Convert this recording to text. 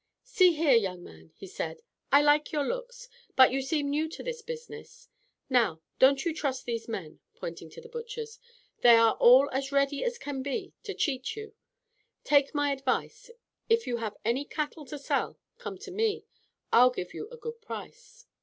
"See here, young man," he said, "I like your looks. But you seem new to this business. Now, don't you trust these men," pointing to the butchers. "They are all as ready as can be to cheat you. You take my advice. If you have any cattle to sell, come to me. I'll give you a good price."